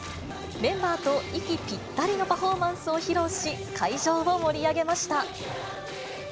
メンバーと息ぴったりのパフォーマンスを披露し、会場を盛り上げました。